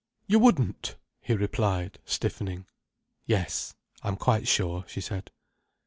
"You wouldn't!" he replied, stiffening. "Yes. I'm quite sure," she said.